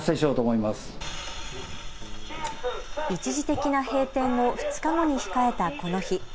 一時的な閉店を２日後に控えたこの日。